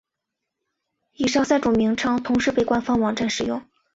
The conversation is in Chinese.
以上三种名称同时被官方网站使用。